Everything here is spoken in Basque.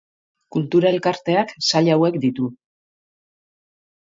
Kultura-Elkarteak sail hauek ditu.